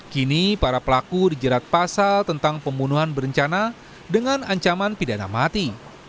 kini para pelaku dijerat pasal tentang pembunuhan berencana dengan ancaman pidana mati